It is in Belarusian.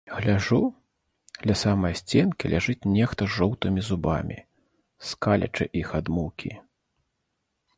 Гляджу, ля самае сценкі ляжыць нехта з жоўтымі зубамі, скалячы іх ад мукі.